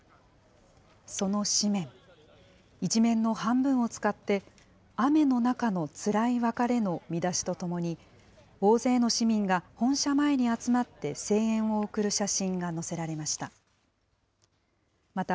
その紙面、１面の半分を使って、雨の中のつらい別れの見出しとともに、大勢の市民が本社前に集まって声援を送る写真が載せられました。